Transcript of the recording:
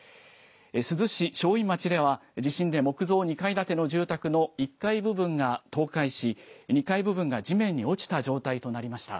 珠洲市正院町では地震で木造２階建ての住宅の１階部分が倒壊し、２階部分が地面に落ちた状態となりました。